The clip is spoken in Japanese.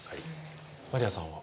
まりあさんは？